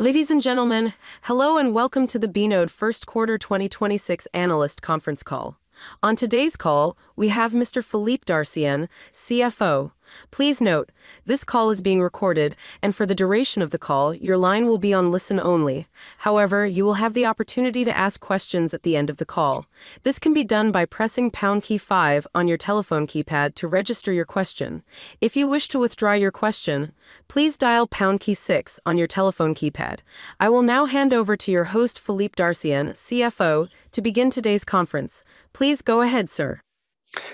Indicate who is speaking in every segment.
Speaker 1: Ladies and gentlemen, hello and welcome to the bpost first quarter 2026 analyst conference call. On today's call, we have Mr. Philippe Dartienne, CFO. Please note, this call is being recorded and for the duration of the call, your line will be on listen only. However, you will have the opportunity to ask questions at the end of the call. This can be done by pressing pound key five on your telephone keypad to register your question. If you wish to withdraw your question, please dial pound key six on your telephone keypad. I will now hand over to your host, Philippe Dartienne, CFO, to begin today's conference. Please go ahead, sir.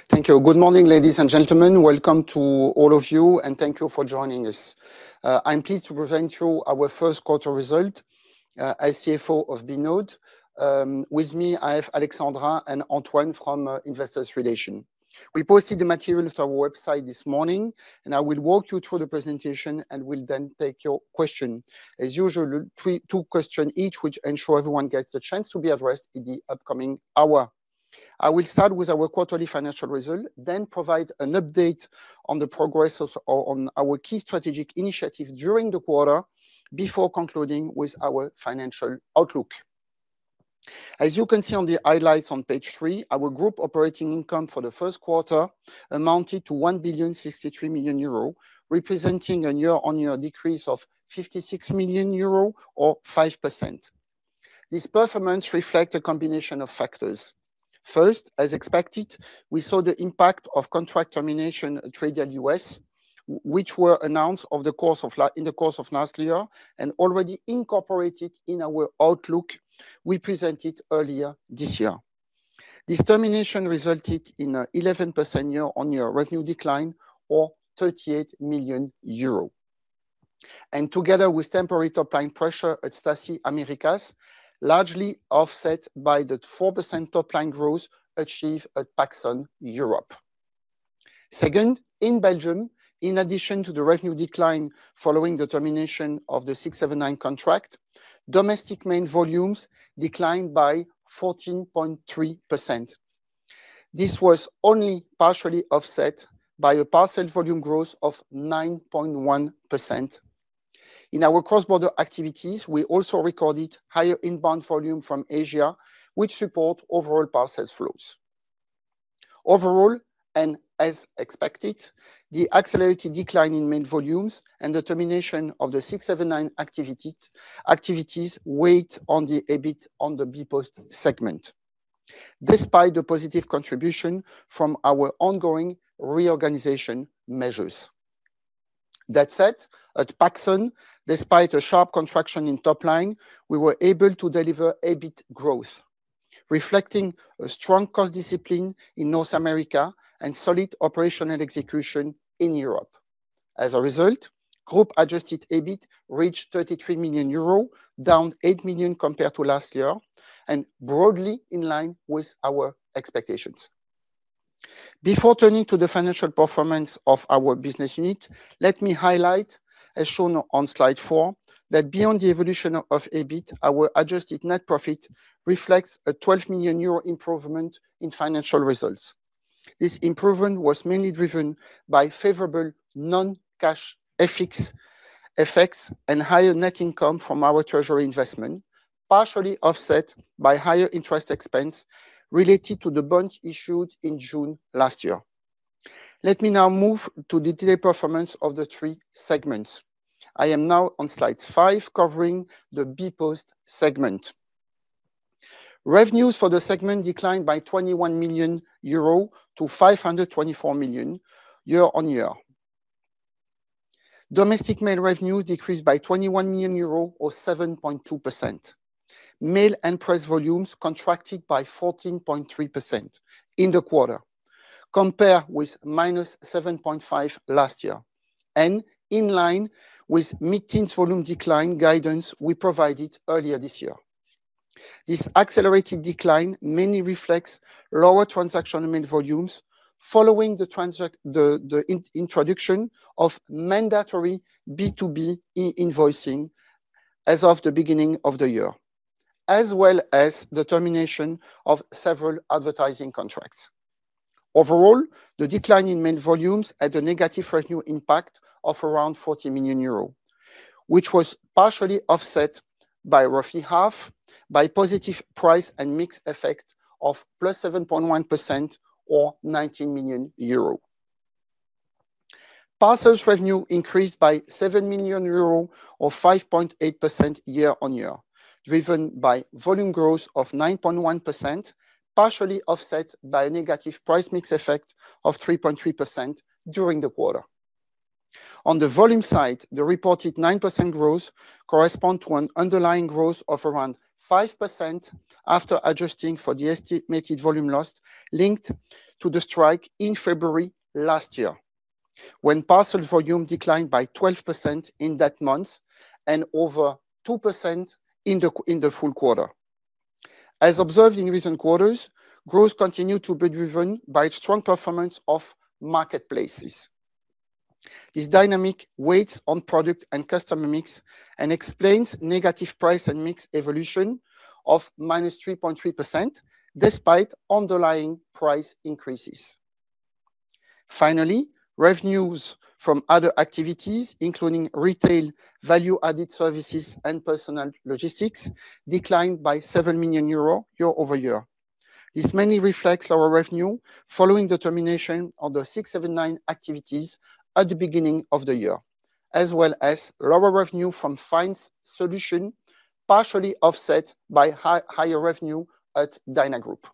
Speaker 2: Thank you. Good morning, ladies and gentlemen. Welcome to all of you, and thank you for joining us. I'm pleased to present you our first quarter result as CFO of bpost. With me, I have Alexandra and Antoine from Investor Relations. We posted the materials to our website this morning, and I will walk you through the presentation and will then take your question. As usual, two question each which ensure everyone gets the chance to be addressed in the upcoming hour. I will start with our quarterly financial result, then provide an update on the progress on our key strategic initiative during the quarter before concluding with our financial outlook. As you can see on the highlights on page three, our group operating income for the first quarter amounted to 1.063 billion, representing a year-on-year decrease of 56 million euro or five percent. This performance reflect a combination of factors. First, as expected, we saw the impact of contract termination at Radial US, which were announced in the course of last year and already incorporated in our outlook we presented earlier this year. This termination resulted in a 11% year-on-year revenue decline or 38 million euro. Together with temporary top line pressure at Staci Americas, largely offset by the four percent top line growth achieved at Paxon Europe. Second, in Belgium, in addition to the revenue decline following the termination of the 679 contract, domestic mail volumes declined by 14.3%. This was only partially offset by a parcel volume growth of nine point one percent. In our cross-border activities, we also recorded higher inbound volume from Asia, which support overall parcels flows. Overall, as expected, the accelerated decline in main volumes and the termination of the 679 activities weighed on the EBIT on the bpost segment despite the positive contribution from our ongoing reorganization measures. That said, at Paxon, despite a sharp contraction in top line, we were able to deliver EBIT growth, reflecting a strong cost discipline in North America and solid operational execution in Europe. As a result, group adjusted EBIT reached 33 million euro, down 8 million compared to last year and broadly in line with our expectations. Before turning to the financial performance of our business unit, let me highlight, as shown on slide four, that beyond the evolution of EBIT, our adjusted net profit reflects a 12 million euro improvement in financial results. This improvement was mainly driven by favorable non-cash effects and higher net income from our treasury investment, partially offset by higher interest expense related to the bonds issued in June last year. Let me now move to the detailed performance of the three segments. I am now on slide five covering the bpost segment. Revenues for the segment declined by 21 million euro to 524 million year-on-year. Domestic mail revenue decreased by 21 million euro or seven point two percent. Mail and press volumes contracted by 14.3% in the quarter, compared with minus seven point five last year and in line with mid-teens volume decline guidance we provided earlier this year. This accelerated decline mainly reflects lower transaction mail volumes following the introduction of mandatory B2B e-invoicing as of the beginning of the year, as well as the termination of several advertising contracts. Overall, the decline in mail volumes had a negative revenue impact of around 40 million euro, which was partially offset by roughly half by positive price and mix effect of plus seven point one percent or 19 million euro. Parcels revenue increased by 7 million euro or 5.8% year-on-year, driven by volume growth of nine point one percent, partially offset by a negative price mix effect of three point three percent during the quarter. On the volume side, the reported nine percent growth correspond to an underlying growth of around five percent after adjusting for the estimated volume lost linked to the strike in February last year, when parcel volume declined by 12% in that month and over two percent in the full quarter. As observed in recent quarters, growth continued to be driven by strong performance of marketplaces. This dynamic weighs on product and customer mix and explains negative price and mix evolution of minus three point three percent despite underlying price increases. Revenues from other activities, including retail, value-added services, and personal logistics, declined by 7 million euro year-over-year. This mainly reflects lower revenue following the termination of the 679 activities at the beginning of the year, as well as lower revenue from fines solution, partially offset by higher revenue at DynaGroup.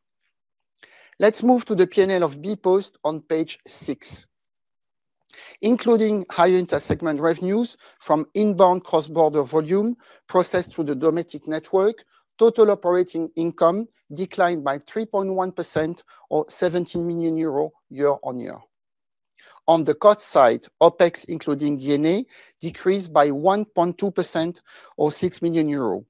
Speaker 2: Let's move to the P&L of bpost on Page six. Including higher inter-segment revenues from inbound cross-border volume processed through the domestic network, total operating income declined by three point one percent or 70 million euro year-on-year. On the cost side, OpEx, including D&A, decreased by one point two percent or 6 million euros,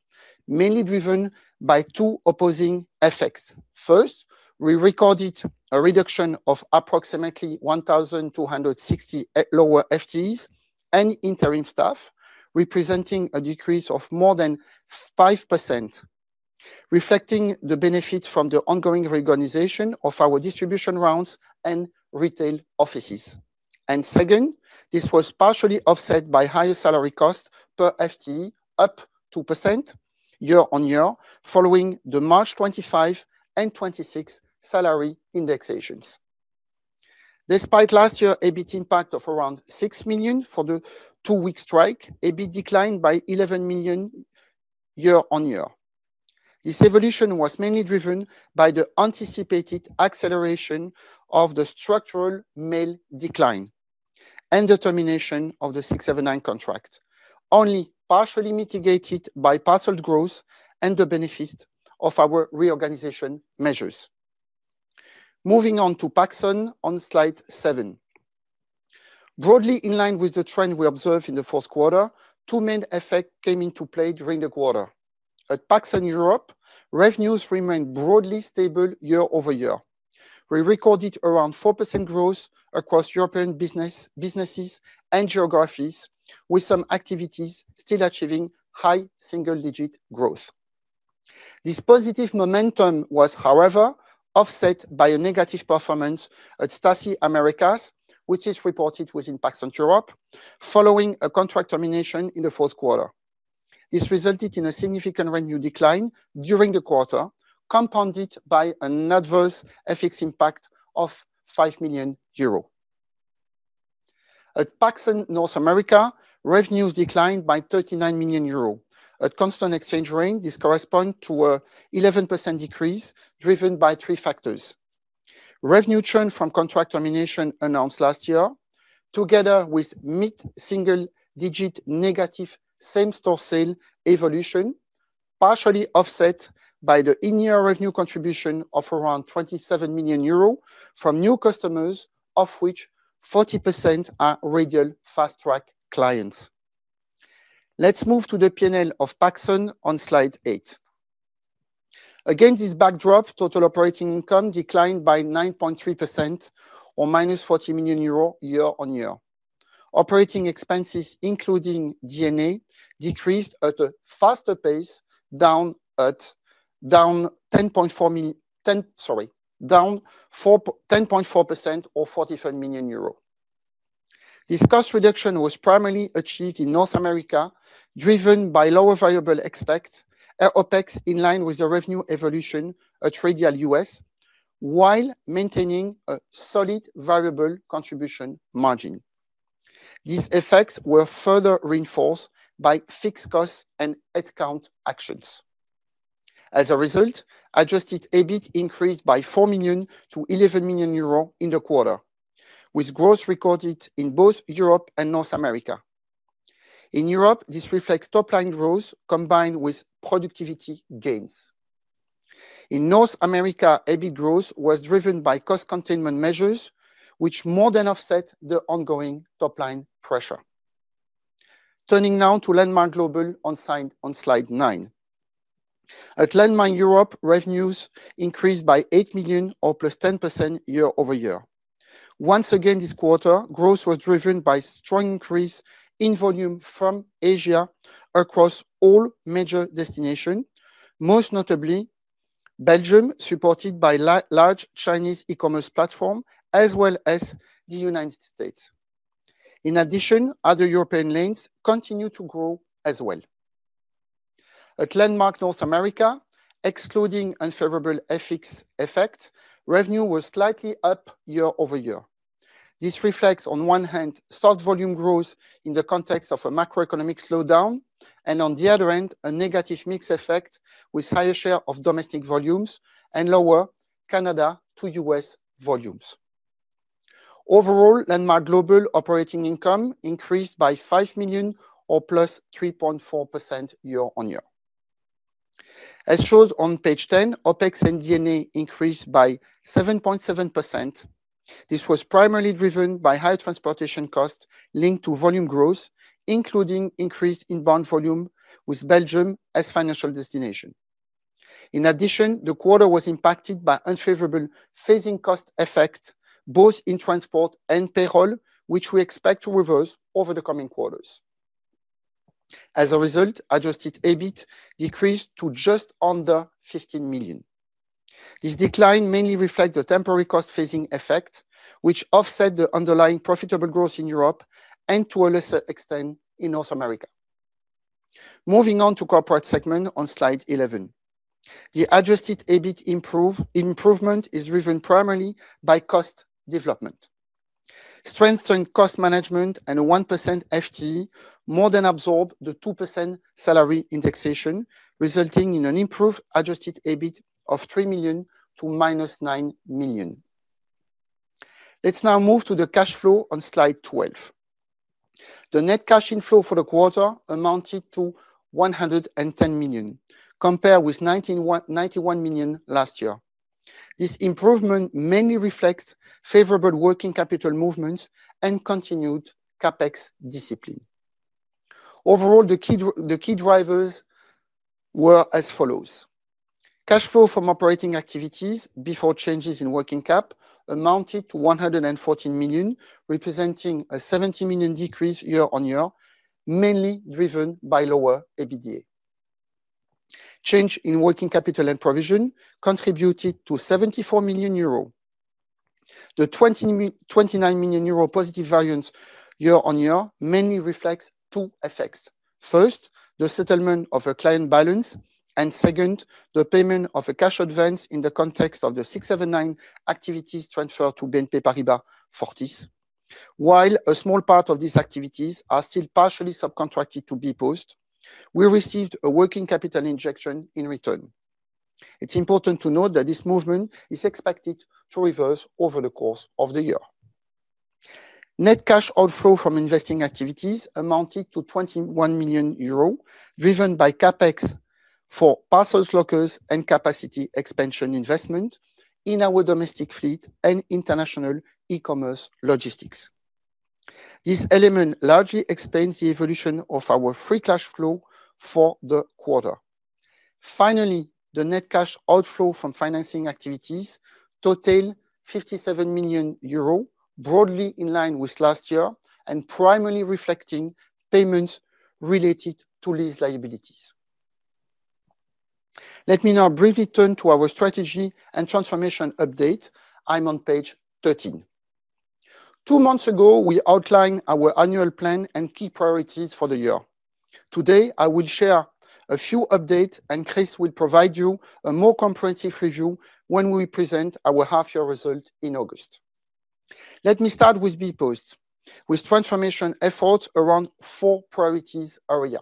Speaker 2: mainly driven by two opposing effects. First, we recorded a reduction of approximately 1,260 lower FTEs and interim staff, representing a decrease of more than five percent, reflecting the benefit from the ongoing reorganization of our distribution rounds and retail offices. Second, this was partially offset by higher salary cost per FTE, up two percent year-on-year following the March 25 and 26 salary indexations. Despite last year EBIT impact of around 6 million for the two-week strike, EBIT declined by 11 million year-on-year. This evolution was mainly driven by the anticipated acceleration of the structural mail decline and the termination of the 679 contract, only partially mitigated by parcel growth and the benefit of our reorganization measures. Moving on to Paxon on slide seven. Broadly in line with the trend we observed in the fourth quarter, two main effect came into play during the quarter. At Paxon Europe, revenues remained broadly stable year-over-year. We recorded around four percent growth across European businesses and geographies, with some activities still achieving high single-digit growth. This positive momentum was, however, offset by a negative performance at Staci Americas, which is reported within Paxon Europe following a contract termination in the fourth quarter. This resulted in a significant revenue decline during the quarter, compounded by an adverse FX impact of 5 million euro. At Paxon North America, revenues declined by 39 million euros. At constant exchange rate, this correspond to a 11% decrease driven by three factors. Revenue churn from contract termination announced last year, together with mid-single-digit negative same-store sales evolution, partially offset by the in-year revenue contribution of around 27 million euros from new customers, of which 40% are Radial Fast Track clients. Let's move to the P&L of Paxon on Slide eight. Against this backdrop, total operating income declined by nine point three percent or minus 40 million euro year-on-year. Operating expenses, including D&A, decreased at a faster pace, down 10.4% or 43 million euro. This cost reduction was primarily achieved in North America, driven by lower variable OpEx in line with the revenue evolution at Radial US, while maintaining a solid variable contribution margin. These effects were further reinforced by fixed costs and headcount actions. As a result, adjusted EBIT increased by 4 million to 11 million euro in the quarter, with growth recorded in both Europe and North America. In Europe, this reflects top-line growth combined with productivity gains. In North America, EBIT growth was driven by cost containment measures, which more than offset the ongoing top-line pressure. Turning now to Landmark Global on slide nine. At Landmark Europe, revenues increased by 8 million or plus 10% year-over-year. Once again, this quarter, growth was driven by strong increase in volume from Asia across all major destinations, most notably Belgium, supported by large Chinese e-commerce platform, as well as the U.S. In addition, other European lanes continue to grow as well. At Landmark North America, excluding unfavorable FX effect, revenue was slightly up year-over-year. This reflects, on one hand, solid volume growth in the context of a macroeconomic slowdown, and on the other hand, a negative mix effect with higher share of domestic volumes and lower Canada to U.S. volumes. Overall, Landmark Global operating income increased by 5 million or plus three point four percent year-over-year. As shown on Page 10, OpEx and D&A increased by seven point seven percent. This was primarily driven by higher transportation costs linked to volume growth, including increased inbound volume with Belgium as financial destination. The quarter was impacted by unfavorable phasing cost effect, both in transport and payroll, which we expect to reverse over the coming quarters. As a result, adjusted EBIT decreased to just under 15 million. This decline mainly reflect the temporary cost phasing effect, which offset the underlying profitable growth in Europe and, to a lesser extent, in North America. Moving on to corporate segment on slide 11. The adjusted EBIT improvement is driven primarily by cost development. Strengthened cost management and a one percent FTE more than absorb the two percent salary indexation, resulting in an improved adjusted EBIT of 3 million to minus 9 million. Let's now move to the cash flow on slide 12. The net cash inflow for the quarter amounted to 110 million, compared with 91 million last year. This improvement mainly reflects favorable working capital movements and continued CapEx discipline. Overall, the key drivers were as follows: cash flow from operating activities before changes in working cap amounted to 114 million, representing a 70 million decrease year-on-year, mainly driven by lower EBITDA. Change in working capital and provision contributed to 74 million euro. The 29 million euro positive variance year on year mainly reflects two effects. First, the settlement of a client balance, and second, the payment of a cash advance in the context of the 679 activities transferred to BNP Paribas Fortis. While a small part of these activities are still partially subcontracted to bpost, we received a working capital injection in return. It's important to note that this movement is expected to reverse over the course of the year. Net cash outflow from investing activities amounted to 21 million euros, driven by CapEx for parcels, lockers, and capacity expansion investment in our domestic fleet and international e-commerce logistics. This element largely explains the evolution of our free cash flow for the quarter. Finally, the net cash outflow from financing activities total 57 million euro, broadly in line with last year, and primarily reflecting payments related to lease liabilities. Let me now briefly turn to our strategy and transformation update. I'm on page 13. Two months ago, we outlined our annual plan and key priorities for the year. Today, I will share a few update, and Chris will provide you a more comprehensive review when we present our half year result in August. Let me start with bpost with transformation efforts around four priorities area.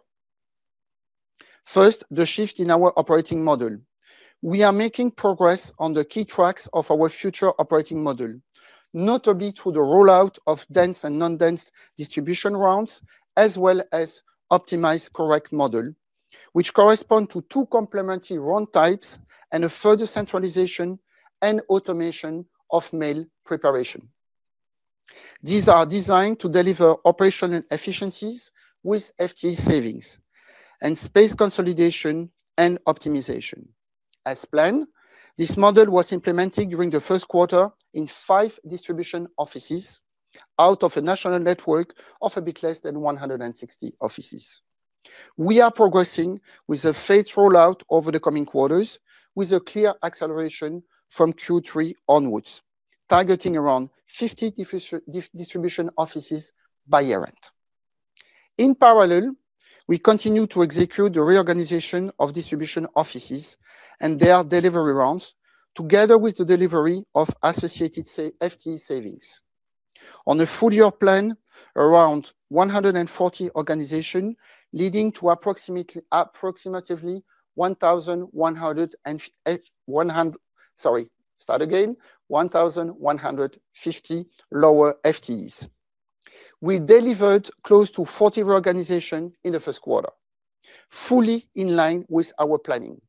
Speaker 2: First, the shift in our operating model. We are making progress on the key tracks of our future operating model, notably through the rollout of dense and non-dense distribution rounds, as well as optimized correct model, which correspond to two complementary round types and a further centralization and automation of mail preparation. These are designed to deliver operational efficiencies with FTE savings and space consolidation and optimization. As planned, this model was implemented during the first quarter in five distribution offices out of a national network of a bit less than 160 offices. We are progressing with a phased rollout over the coming quarters with a clear acceleration from Q3 onwards, targeting around 50 distribution offices by year-end. In parallel, we continue to execute the reorganization of distribution offices and their delivery rounds together with the delivery of associated FTE savings. On a full-year plan, around 140 organization, leading to approximately 1,150 lower FTEs. We delivered close to 40 reorganization in the first quarter, fully in line with our planning.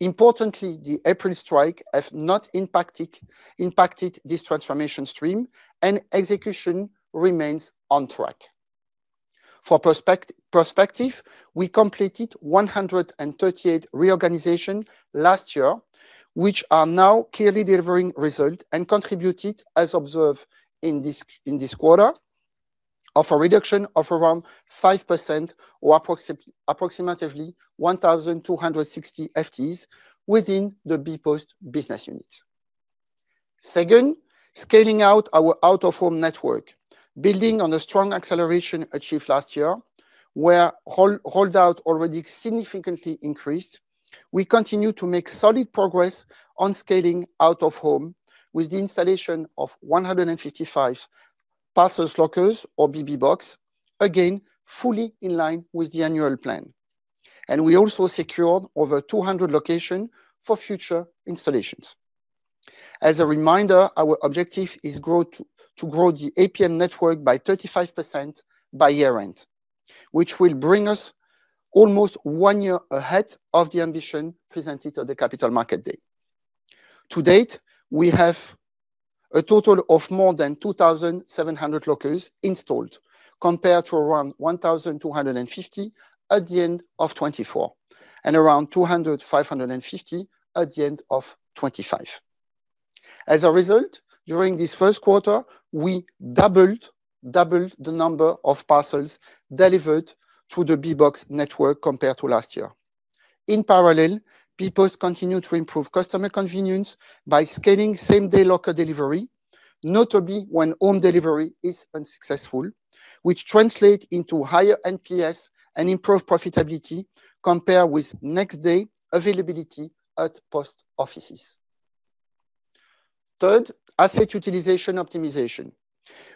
Speaker 2: Importantly, the April strike have not impacted this transformation stream, and execution remains on track. For prospective, we completed 138 reorganization last year, which are now clearly delivering result and contributed, as observed in this quarter, of a reduction of around five percent or approximately 1,260 FTEs within the bpost business unit. Second, scaling out our out-of-home network. Building on a strong acceleration achieved last year, where holdout already significantly increased, we continue to make solid progress on scaling out-of-home with the installation of 155 parcels lockers or bbox, again, fully in line with the annual plan. We also secured over 200 location for future installations. As a reminder, our objective is to grow the APM network by 35% by year-end, which will bring us almost one year ahead of the ambition presented at the Capital Market Day. To date, we have a total of more than 2,700 lockers installed, compared to around 1,250 at the end of 2024, and around 2,550 at the end of 2025. As a result, during this first quarter, we doubled the number of parcels delivered to the bbox network compared to last year. In parallel, bpost continued to improve customer convenience by scaling same-day locker delivery, notably when home delivery is unsuccessful, which translate into higher NPS and improved profitability compared with next day availability at post offices. Third, asset utilization optimization.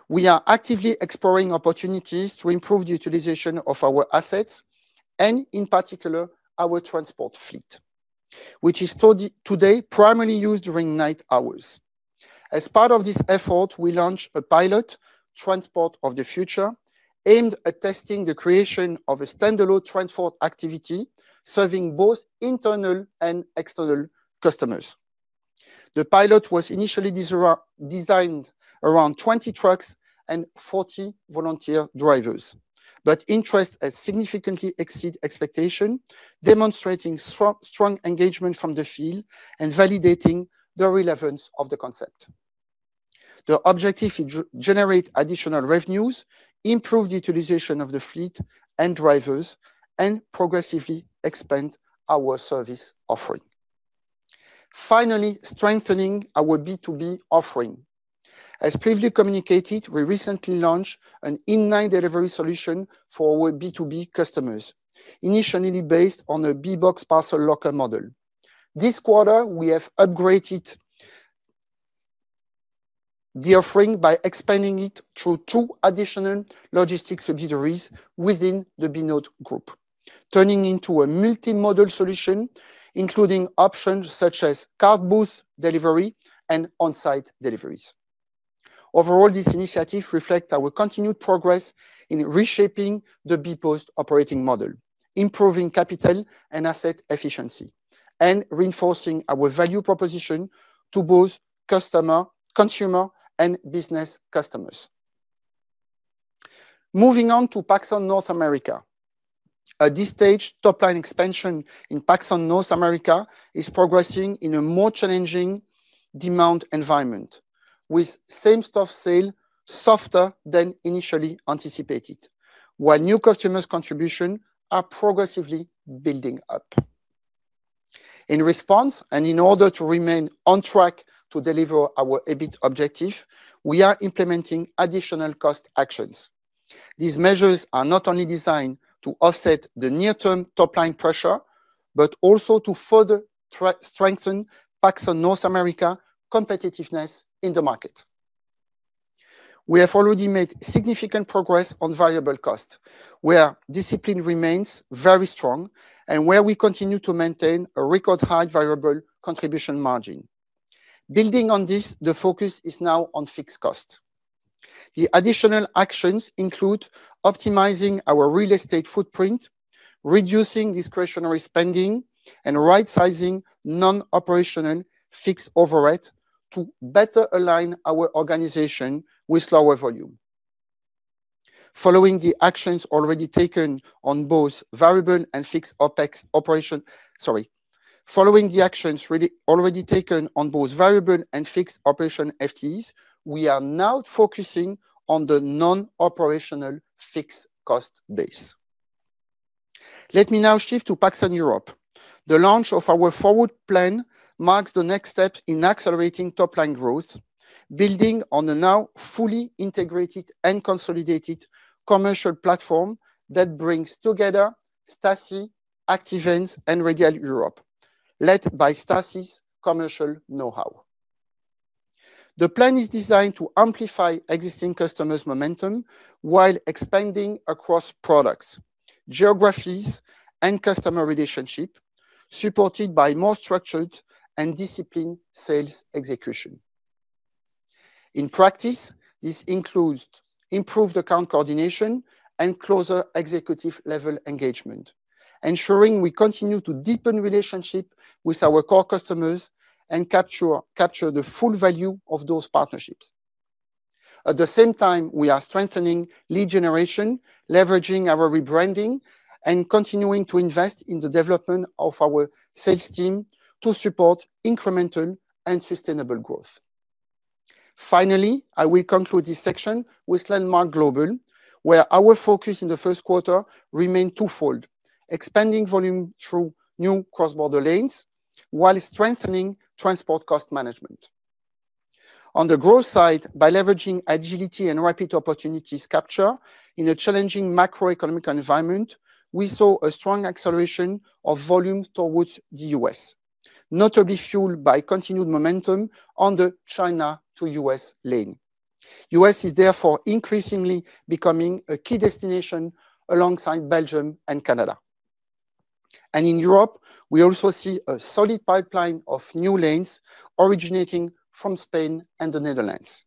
Speaker 2: We are actively exploring opportunities to improve the utilization of our assets and, in particular, our transport fleet, which is today primarily used during night hours. As part of this effort, we launched a pilot transport of the future aimed at testing the creation of a standalone transport activity, serving both internal and external customers. The pilot was initially designed around 20 trucks and 40 volunteer drivers, but interest has significantly exceed expectation, demonstrating strong engagement from the field and validating the relevance of the concept. The objective is to generate additional revenues, improve the utilization of the fleet and drivers, and progressively expand our service offering. Finally, strengthening our B2B offering. As previously communicated, we recently launched an in-line delivery solution for our B2B customers, initially based on a bbox parcel locker model. This quarter, we have upgraded the offering by expanding it through two additional logistics subsidiaries within the bpostgroup, turning into a multi-model solution, including options such as card booth delivery and on-site deliveries. Overall, this initiative reflect our continued progress in reshaping the bpost operating model, improving capital and asset efficiency, and reinforcing our value proposition to both customer, consumer and business customers. Moving on to Paxon North America. At this stage, top-line expansion in Paxon North America is progressing in a more challenging demand environment, with same-store sale softer than initially anticipated, while new customers' contribution are progressively building up. In response, and in order to remain on track to deliver our EBIT objective, we are implementing additional cost actions. These measures are not only designed to offset the near-term top-line pressure, but also to further strengthen Paxon North America competitiveness in the market. We have already made significant progress on variable cost, where discipline remains very strong and where we continue to maintain a record high variable contribution margin. Building on this, the focus is now on fixed cost. The additional actions include optimizing our real estate footprint, reducing discretionary spending, and right-sizing non-operational fixed overhead to better align our organization with lower volume. Following the actions already taken on both variable and fixed operation FTEs, we are now focusing on the non-operational fixed cost base. Let me now shift to Paxon Europe. The launch of our forward plan marks the next step in accelerating top-line growth, building on a now fully integrated and consolidated commercial platform that brings together Staci, Active Ants, and Radial Europe, led by Staci's commercial know-how. The plan is designed to amplify existing customers' momentum while expanding across products, geographies, and customer relationship, supported by more structured and disciplined sales execution. In practice, this includes improved account coordination and closer executive-level engagement, ensuring we continue to deepen relationship with our core customers and capture the full value of those partnerships. At the same time, we are strengthening lead generation, leveraging our rebranding, and continuing to invest in the development of our sales team to support incremental and sustainable growth. Finally, I will conclude this section with Landmark Global, where our focus in the first quarter remained twofold: expanding volume through new cross-border lanes while strengthening transport cost management. On the growth side, by leveraging agility and rapid opportunities capture in a challenging macroeconomic environment, we saw a strong acceleration of volume towards the U.S., notably fueled by continued momentum on the China to U.S. lane. U.S. is therefore increasingly becoming a key destination alongside Belgium and Canada. In Europe, we also see a solid pipeline of new lanes originating from Spain and the Netherlands.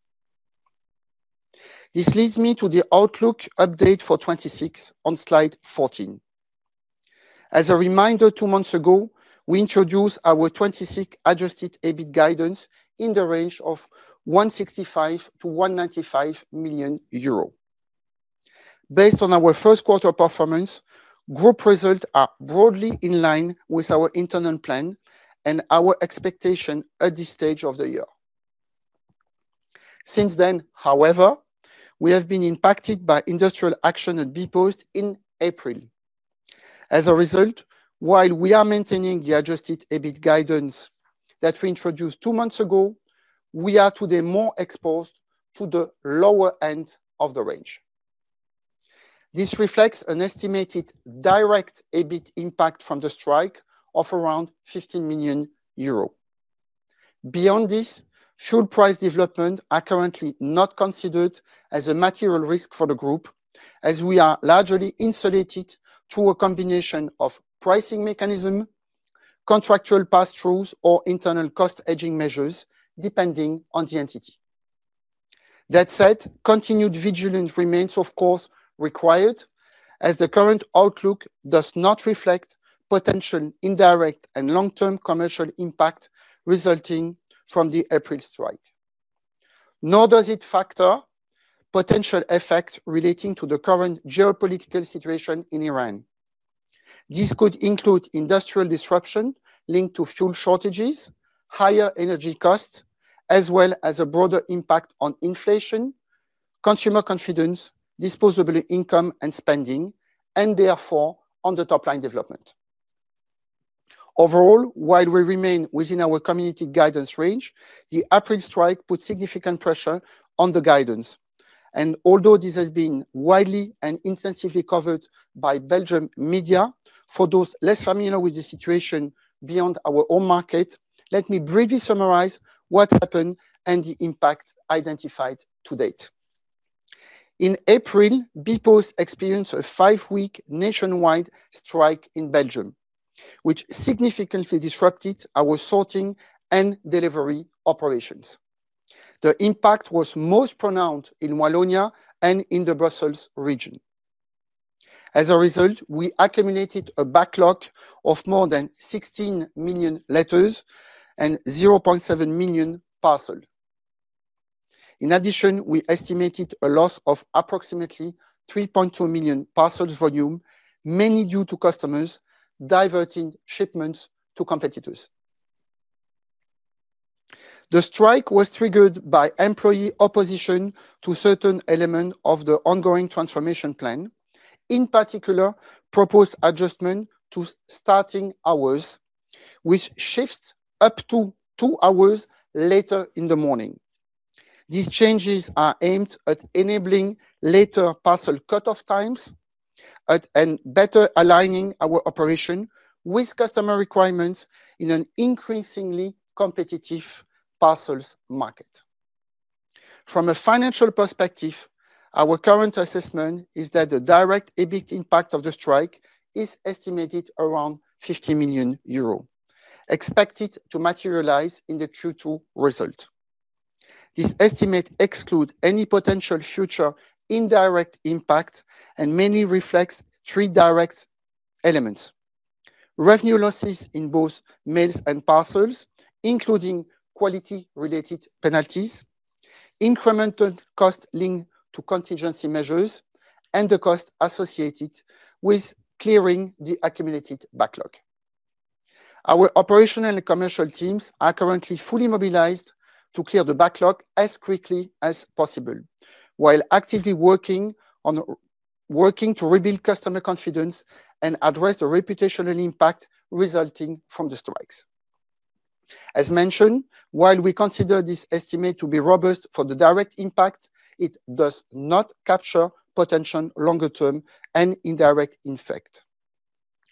Speaker 2: This leads me to the outlook update for 2026 on slide 14. As a reminder, two months ago, we introduced our 2026 adjusted EBIT guidance in the range of 165 million-195 million euro. Based on our first quarter performance, group results are broadly in line with our internal plan and our expectation at this stage of the year. Since then, however, we have been impacted by industrial action at bpost in April. As a result, while we are maintaining the adjusted EBIT guidance that we introduced two months ago, we are today more exposed to the lower end of the range. This reflects an estimated direct EBIT impact from the strike of around 50 million euros. Beyond this, fuel price development are currently not considered as a material risk for the group, as we are largely insulated through a combination of pricing mechanism, contractual passthroughs, or internal cost hedging measures, depending on the entity. That said, continued vigilance remains, of course, required as the current outlook does not reflect potential indirect and long-term commercial impact resulting from the April Strike. Nor does it factor potential effects relating to the current geopolitical situation in Iran. This could include industrial disruption linked to fuel shortages, higher energy costs, as well as a broader impact on inflation, consumer confidence, disposable income and spending, and therefore on the top line development. Overall, while we remain within our community guidance range, the April Strike put significant pressure on the guidance. Although this has been widely and intensively covered by Belgium media, for those less familiar with the situation beyond our own market, let me briefly summarize what happened and the impact identified to date. In April, bpost experienced a five-week nationwide strike in Belgium, which significantly disrupted our sorting and delivery operations. The impact was most pronounced in Wallonia and in the Brussels region. As a result, we accumulated a backlog of more than 16 million letters and 0.7 million parcel. In addition, we estimated a loss of approximately 3.2 million parcels volume, mainly due to customers diverting shipments to competitors. The strike was triggered by employee opposition to certain elements of the ongoing transformation plan, in particular, proposed adjustment to starting hours, with shifts up to two hours later in the morning. These changes are aimed at enabling later parcel cutoff times and better aligning our operation with customer requirements in an increasingly competitive parcels market. From a financial perspective, our current assessment is that the direct EBIT impact of the strike is estimated around 50 million euros, expected to materialize in the Q2 result. This estimate excludes any potential future indirect impact and mainly reflects three direct elements: revenue losses in both mails and parcels, including quality-related penalties, incremental costs linked to contingency measures, and the cost associated with clearing the accumulated backlog. Our operational and commercial teams are currently fully mobilized to clear the backlog as quickly as possible while actively working to rebuild customer confidence and address the reputational impact resulting from the strikes. As mentioned, while we consider this estimate to be robust for the direct impact, it does not capture potential longer term and indirect effect,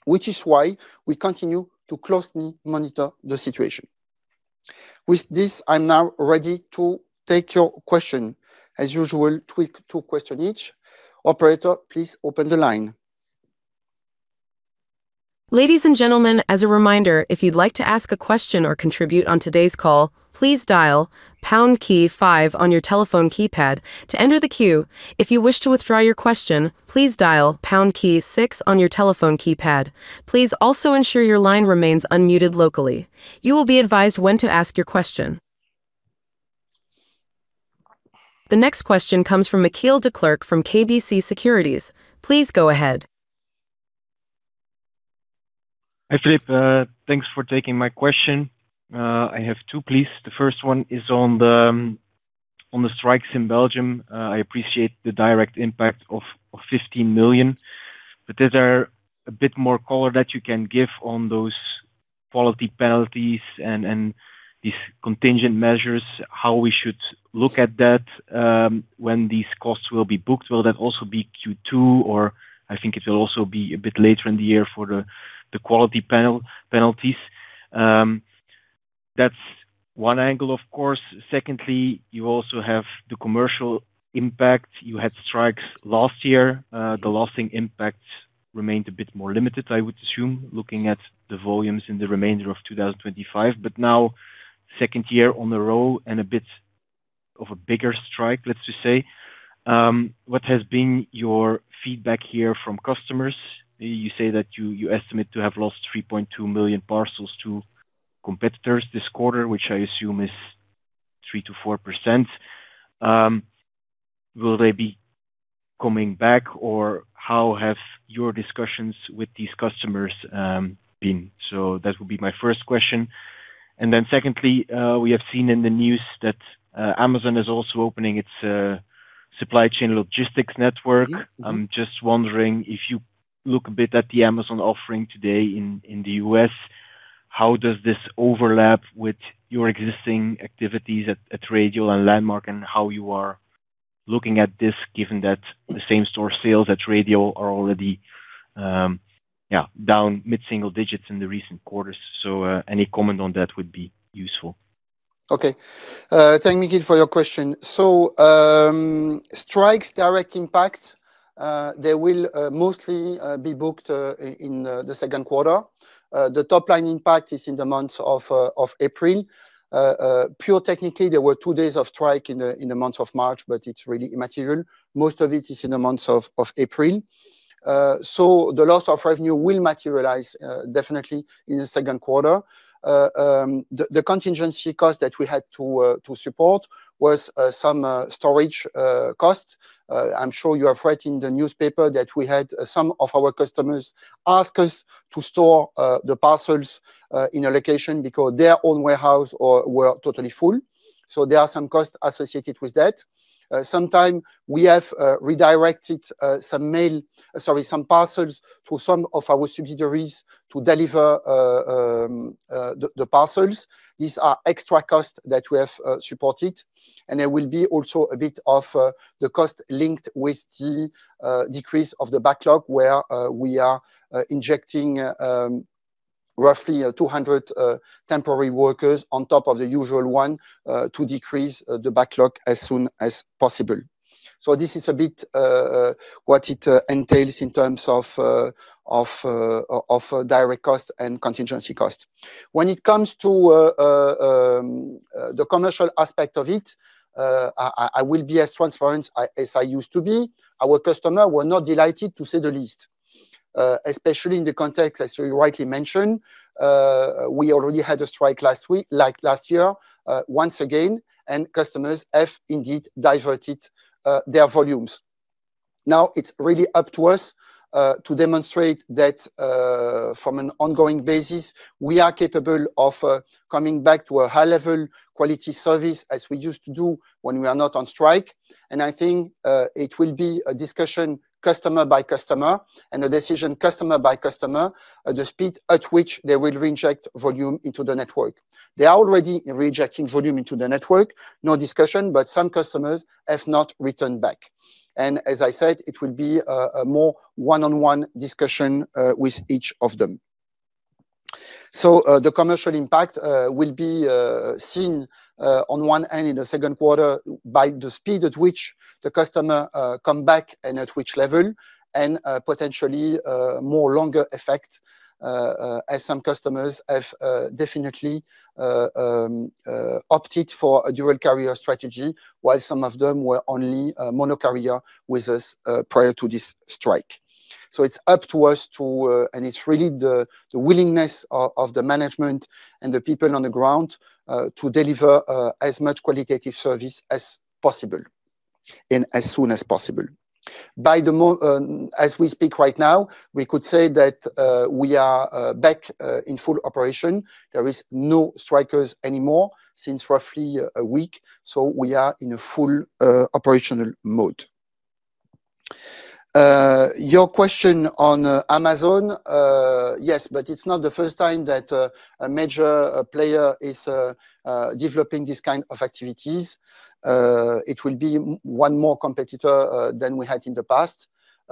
Speaker 2: which is why we continue to closely monitor the situation. With this, I am now ready to take your question. As usual, two questions each. Operator, please open the line.
Speaker 1: Ladies and gentlemen, as a reminder, if you'd like to ask a question or contribute on today's call, please dial pound key five on your telephone keypad to enter the queue. If you wish to withdraw your question, please dial pound key six on your telephone keypad. Please also ensure your line remains unmuted locally. You will be advised when to ask your question. The next question comes from Michiel Declercq from KBC Securities. Please go ahead.
Speaker 3: Hi, Philippe. Thanks for taking my question. I have two, please. The first one is on the strikes in Belgium. I appreciate the direct impact of 15 million, is there a bit more color that you can give on those quality penalties and these contingent measures? How we should look at that, when these costs will be booked? Will that also be Q2, or I think it will also be a bit later in the year for the quality penalties. That's one angle, of course. Secondly, you also have the commercial impact. You had strikes last year. The lasting impact remained a bit more limited, I would assume, looking at the volumes in the remainder of 2025. Now second year on a row and a bit of a bigger strike, let's just say. What has been your feedback here from customers? You say that you estimate to have lost 3.2 million parcels to competitors this quarter, which I assume is three to four percent. Will they be coming back or how have your discussions with these customers been? That would be my first question. Secondly, we have seen in the news that Amazon is also opening its supply chain logistics network. I'm just wondering, if you look a bit at the Amazon offering today in the U.S., how does this overlap with your existing activities at Radial and Landmark and how you are looking at this, given that the same-store sales at Radial are already down mid-single digits in the recent quarters. Any comment on that would be useful.
Speaker 2: Thank you for your question. Strikes direct impact, they will mostly be booked in the second quarter. The top-line impact is in the months of April. Pure technically, there were two days of strike in the month of March. It is really immaterial. Most of it is in the months of April. The loss of revenue will materialize definitely in the second quarter. The contingency cost that we had to support was some storage costs. I am sure you have read in the newspaper that we had some of our customers ask us to store the parcels in a location because their own warehouse or were totally full. There are some costs associated with that. Sometime we have redirected some parcels to some of our subsidiaries to deliver the parcels. These are extra costs that we have supported. There will be also a bit of the cost linked with the decrease of the backlog where we are injecting roughly 200 temporary workers on top of the usual one to decrease the backlog as soon as possible. This is a bit what it entails in terms of of direct cost and contingency cost. When it comes to the commercial aspect of it, I will be as transparent as I used to be. Our customer were not delighted to say the least, especially in the context, as you rightly mentioned. We already had a strike last year, once again. Customers have indeed diverted their volumes. Now, it's really up to us to demonstrate that from an ongoing basis, we are capable of coming back to a high-level quality service as we used to do when we are not on strike. I think it will be a discussion customer by customer and a decision customer by customer, the speed at which they will reinject volume into the network. They are already rejecting volume into the network, no discussion, but some customers have not returned back. As I said, it will be a more one-on-one discussion with each of them. The commercial impact will be seen on one end in the second quarter by the speed at which the customer come back and at which level, and potentially more longer effect, as some customers have definitely opted for a dual carrier strategy while some of them were only mono carrier with us prior to this strike. It's up to us to, and it's really the willingness of the management and the people on the ground, to deliver as much qualitative service as possible and as soon as possible. As we speak right now, we could say that we are back in full operation. There is no strikers anymore since roughly a week, so we are in a full operational mode. Your question on Amazon, yes, but it's not the first time that a major player is developing this kind of activities. It will be one more competitor than we had in the past.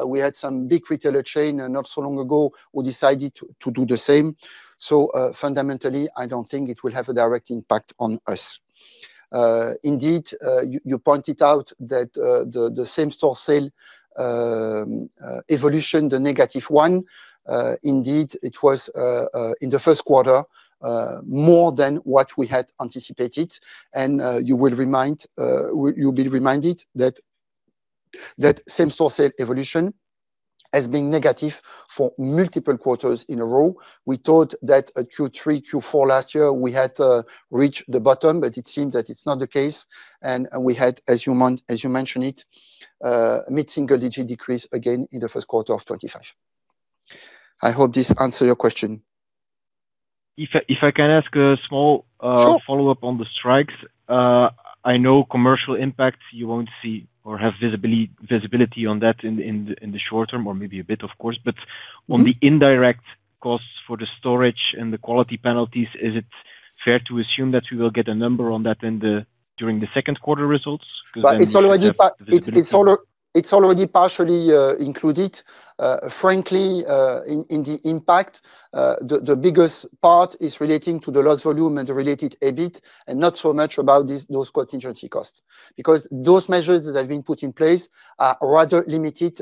Speaker 2: We had some big retailer chain not so long ago who decided to do the same. Fundamentally, I don't think it will have a direct impact on us. Indeed, you pointed out that the same-store sale evolution, the negative one. Indeed, it was in the first quarter, more than what we had anticipated. You'll be reminded that that same-store sale evolution has been negative for multiple quarters in a row. We thought that, Q3, Q4 last year, we had reached the bottom, but it seems that it's not the case. We had, as you mentioned it, mid-single digit decrease again in the first quarter of 2025. I hope this answer your question.
Speaker 3: If I, if I can ask a small follow-up on the strikes. I know commercial impacts you won't see or have visibility on that in the, in the short term or maybe a bit, of course. On the indirect costs for the storage and the quality penalties, is it fair to assume that we will get a number on that during the second quarter results? Because then we should have visibility.
Speaker 2: It's already partially included. Frankly, in the impact, the biggest part is relating to the lost volume and the related EBIT, and not so much about these, those contingency costs. Those measures that have been put in place are rather limited,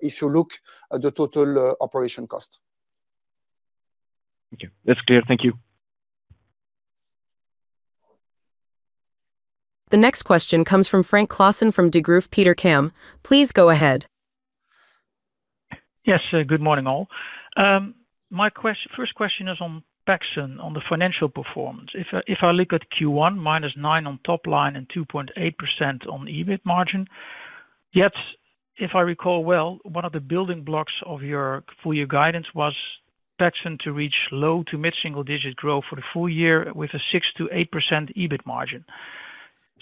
Speaker 2: if you look at the total operation cost.
Speaker 3: Thank you. That's clear. Thank you.
Speaker 1: The next question comes from Frank Claassen from Degroof Petercam. Please go ahead.
Speaker 4: Yes. Good morning, all. My first question is on Paxon, on the financial performance. If I look at Q1, minus nine percent on top line and two point eight percent on the EBIT margin. Yet, if I recall well, one of the building blocks of your full year guidance was Paxon to reach low to mid-single-digit growth for the full year with a six to eight percent EBIT margin.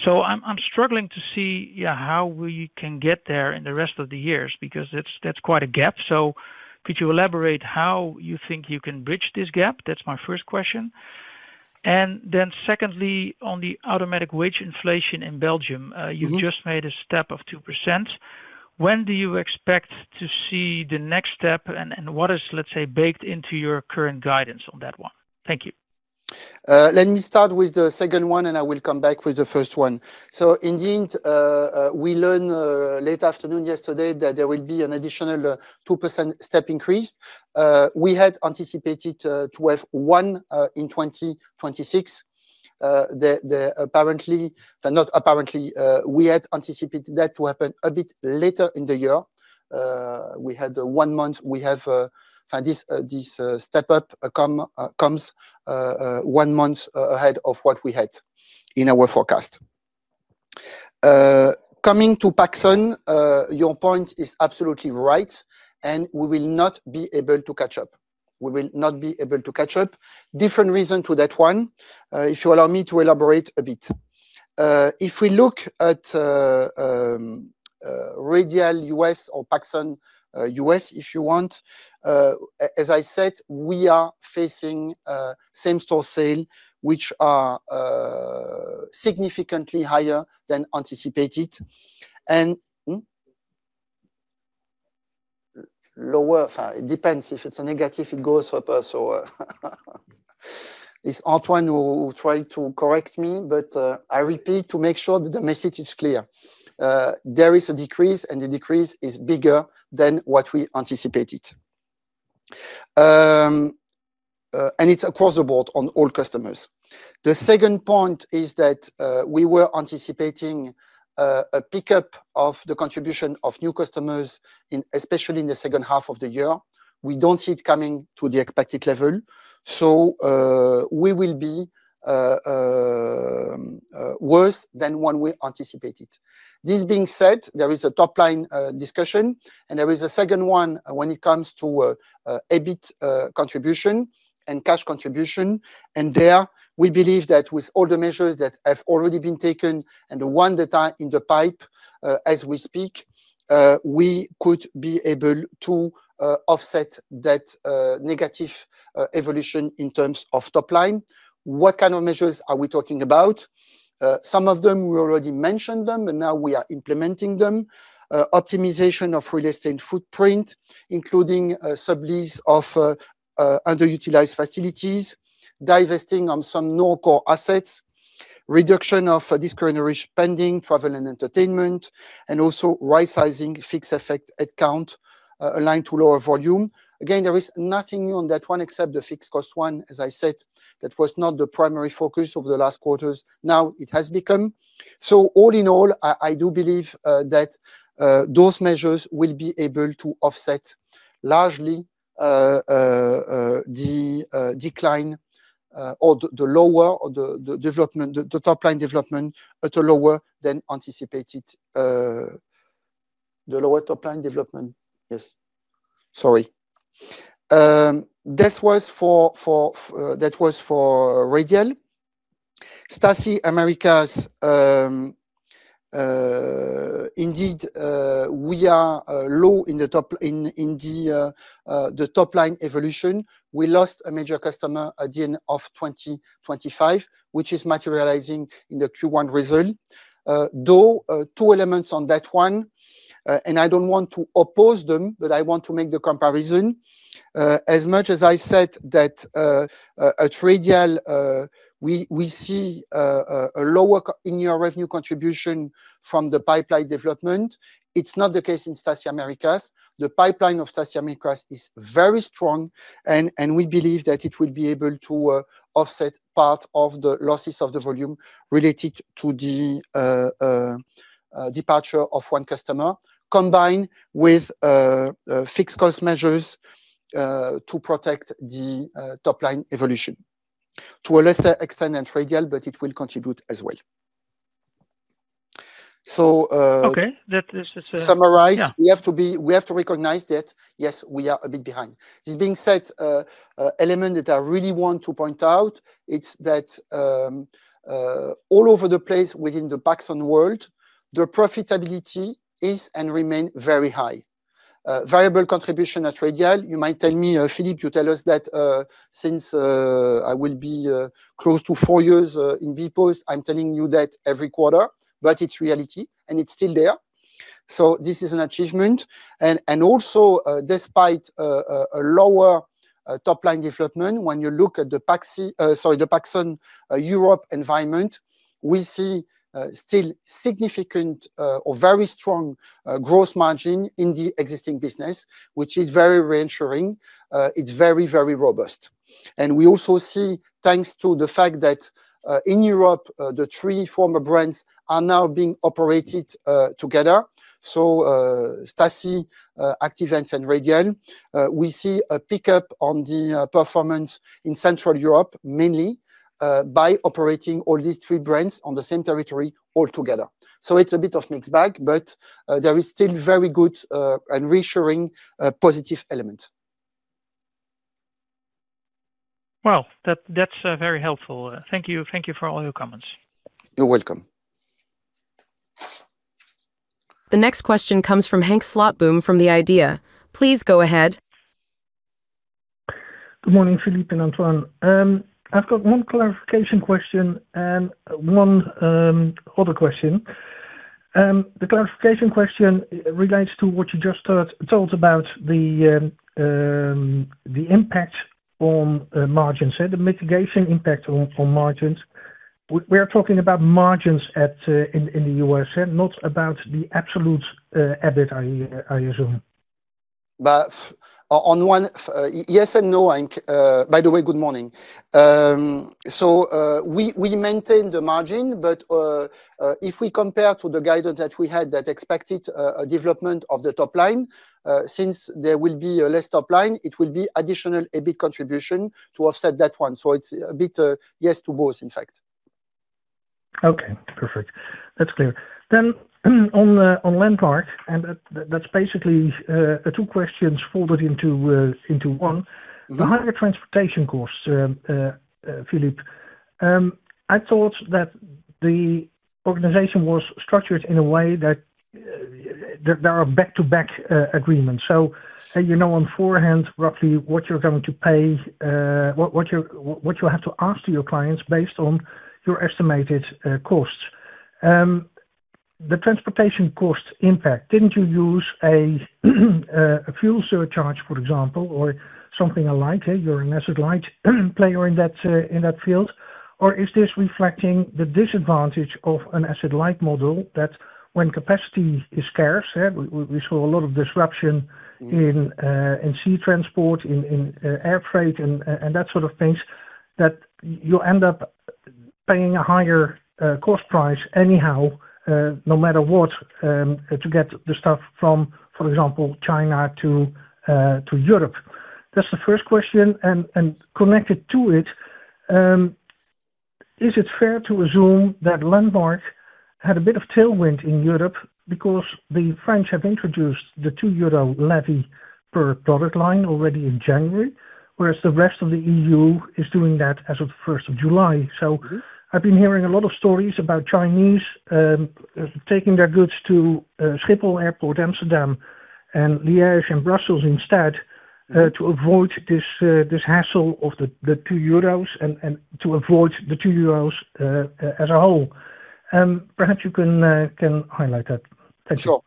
Speaker 4: I'm struggling to see, yeah, how we can get there in the rest of the years because that's quite a gap. Could you elaborate how you think you can bridge this gap? That's my first question. Secondly, on the automatic wage inflation in Belgium, you've just made a step of two percent. When do you expect to see the next step, and what is, let's say, baked into your current guidance on that one? Thank you.
Speaker 2: Let me start with the second one, I will come back with the first one. Indeed, we learn late afternoon yesterday that there will be an additional two percent step increase. We had anticipated to have one in 2026. Not apparently, we had anticipated that to happen a bit later in the year. We had one month. We have. This step up comes one month ahead of what we had in our forecast. Coming to Paxon, your point is absolutely right, we will not be able to catch up. Different reason to that one, if you allow me to elaborate a bit. If we look at Radial US or Paxon US if you want, as I said, we are facing same-store sales, which are significantly higher than anticipated. Lower, it depends if it's a negative, it goes up or so. It's Antoine who tried to correct me, but I repeat to make sure that the message is clear. There is a decrease, and the decrease is bigger than what we anticipated. It's across the board on all customers. The second point is that we were anticipating a pickup of the contribution of new customers especially in the second half of the year. We don't see it coming to the expected level, we will be worse than when we anticipated. This being said, there is a top-line discussion, and there is a second one when it comes to EBIT contribution and cash contribution. There, we believe that with all the measures that have already been taken and the one that are in the pipe as we speak, we could be able to offset that negative evolution in terms of top line. What kind of measures are we talking about? Some of them, we already mentioned them, and now we are implementing them. Optimization of real estate and footprint, including sublease of underutilized facilities, divesting on some non-core assets, reduction of discretionary spending, travel and entertainment, and also right-sizing fixed cost head count aligned to lower volume. Again, there is nothing new on that one except the fixed cost one. As I said, that was not the primary focus of the last quarters. Now it has become. All in all, I do believe that those measures will be able to offset largely the decline or the lower or the development, the lower top-line development. Yes. Sorry. That was for Radial. Staci Americas, indeed, we are low in the top-line evolution. We lost a major customer at the end of 2025, which is materializing in the Q1 result. Though, two elements on that one, I don't want to oppose them, but I want to make the comparison. As much as I said that, at Radial, we see a lower annual revenue contribution from the pipeline development. It is not the case in Staci Americas. The pipeline of Staci Americas is very strong and we believe that it will be able to offset part of the losses of the volume related to the departure of one customer, combined with fixed cost measures to protect the top-line evolution. To a lesser extent than Radial, but it will contribute as well.
Speaker 4: Okay. It's.
Speaker 2: Summarize.
Speaker 4: Yeah.
Speaker 2: We have to recognize that, yes, we are a bit behind. This being said, element that I really want to point out, it's that all over the place within the Paxon world, the profitability is and remain very high. Variable contribution at Radial, you might tell me, Philippe, you tell us that since I will be close to four years in bpost, I'm telling you that every quarter, but it's reality, and it's still there. This is an achievement. Also, despite a lower top-line development, when you look at the Paxon Europe environment, we see still significant or very strong gross margin in the existing business, which is very reassuring. It's very robust. We also see, thanks to the fact that in Europe, the three former brands are now being operated together. Staci, Active Ants and Radial. We see a pickup on the performance in Central Europe, mainly by operating all these three brands on the same territory altogether. It's a bit of mixed bag, but there is still very good and reassuring positive element.
Speaker 4: Well, that's very helpful. Thank you. Thank you for all your comments.
Speaker 2: You're welcome.
Speaker 1: The next question comes from Henk Slotboom from The Idea. Please go ahead.
Speaker 5: Good morning, Philippe and Antoine. I've got one clarification question and one other question. The clarification question relates to what you just told about the impact on margins. The mitigation impact on margins. We are talking about margins in the U.S. and not about the absolute EBIT, I assume.
Speaker 2: On one, yes and no, Henk. By the way, good morning. We maintain the margin, if we compare to the guidance that we had that expected a development of the top line, since there will be a less top line, it will be additional EBIT contribution to offset that one. It's a bit, yes to both, in fact.
Speaker 5: Okay. Perfect. That's clear. On Landmark, and that's basically two questions folded into one. The higher transportation costs, Philippe, I thought that the organization was structured in a way that there are back-to-back agreements. Say, you know on forehand roughly what you're going to pay, what you have to ask to your clients based on your estimated costs. The transportation cost impact, didn't you use a fuel surcharge, for example, or something alike, you're an asset light player in that field? Or is this reflecting the disadvantage of an asset light model that when capacity is scarce, yeah, we saw a lot of disruption, in sea transport, in air freight and that sort of things that you end up paying a higher cost price anyhow, no matter what, to get the stuff from, for example, China to Europe. That's the first question. Connected to it, is it fair to assume that Landmark had a bit of tailwind in Europe because the French have introduced the 2 euro levy per product line already in January, whereas the rest of the EU is doing that as of first of July? I've been hearing a lot of stories about Chinese taking their goods to Schiphol Airport, Amsterdam, and Liège and Brussels instead to avoid this hassle of the 2 euros and to avoid the 2 euros as a whole. Perhaps you can highlight that. Thank you.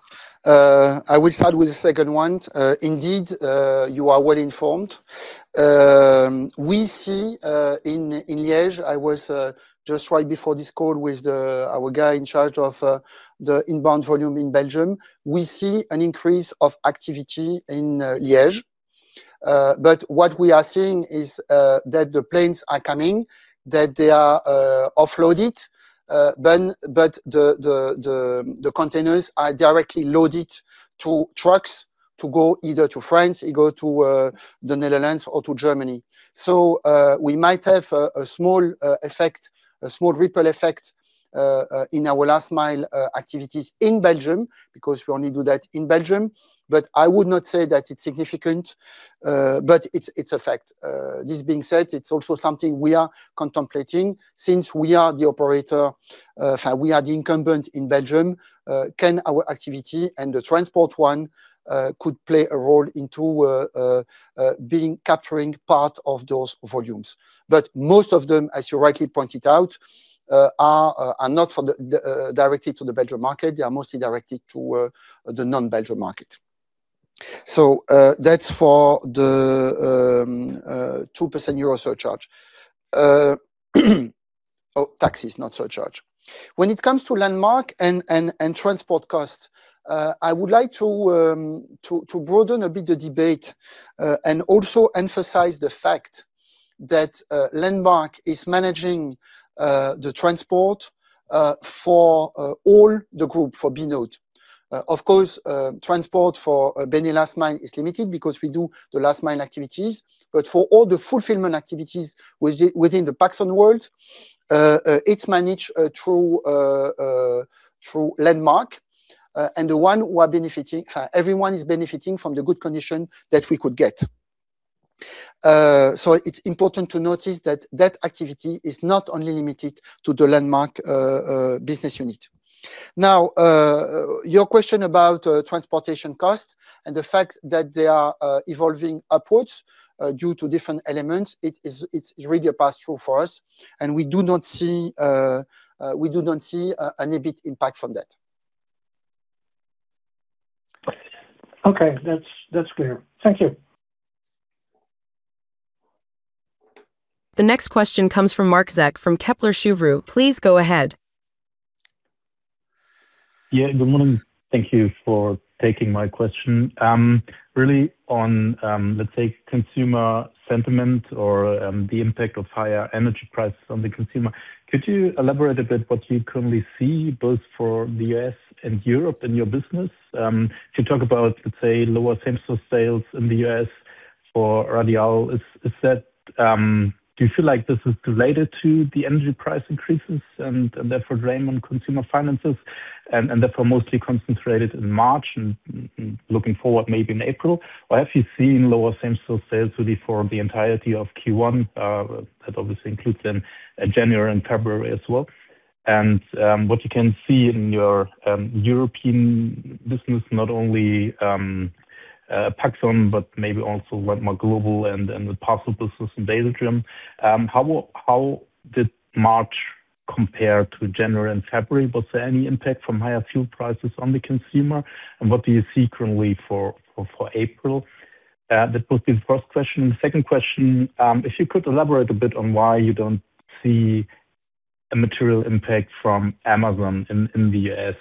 Speaker 2: Sure. I will start with the second one. Indeed, you are well informed. We see in Liège, I was just right before this call with our guy in charge of the inbound volume in Belgium. We see an increase of activity in Liège. What we are seeing is that the planes are coming, that they are offloaded, but the containers are directly loaded to trucks to go either to France, it go to the Netherlands or to Germany. We might have a small effect, a small ripple effect, in our last mile activities in Belgium, because we only do that in Belgium. I would not say that it's significant, but it's a fact. This being said, it's also something we are contemplating since we are the operator, we are the incumbent in Belgium, can our activity and the transport one could play a role into being capturing part of those volumes. Most of them, as you rightly pointed out, are not for the directly to the Belgium market. They are mostly directed to the non-Belgium market. That's for the two percent EUR surcharge. Oh, taxes, not surcharge. When it comes to Landmark and transport costs, I would like to broaden a bit the debate and also emphasize the fact that Landmark is managing the transport for all the group for bpost. Of course, transport for Benelux mail is limited because we do the last mile activities. For all the fulfillment activities within the Paxon world, it's managed through Landmark. Everyone is benefiting from the good condition that we could get. It's important to notice that that activity is not only limited to the Landmark business unit. Your question about transportation costs and the fact that they are evolving upwards due to different elements, it's really a pass-through for us, and we do not see an EBIT impact from that.
Speaker 5: Okay. That's clear. Thank you.
Speaker 1: The next question comes from Marc Zeck from Kepler Cheuvreux. Please go ahead.
Speaker 6: Yeah. Good morning. Thank you for taking my question. really on, let's say consumer sentiment or the impact of higher energy prices on the consumer, could you elaborate a bit what you currently see both for the U.S. and Europe in your business? if you talk about, let's say, lower same-store sales in the U.S. for Radial is that, do you feel like this is related to the energy price increases and, therefore drain on consumer finances and, therefore mostly concentrated in March and, looking forward maybe in April? have you seen lower same-store sales for the entirety of Q1? that obviously includes then, January and February as well. what you can see in your European business, not only Paxon, but maybe also like more global and, the possible system Datastream. How did March compare to January and February? Was there any impact from higher fuel prices on the consumer? What do you see currently for April? That was the first question. The second question, if you could elaborate a bit on why you don't see a material impact from Amazon in the U.S.